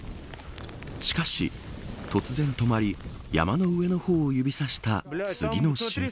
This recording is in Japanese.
しかし、突然止まり山の上の方を指差した次の瞬間。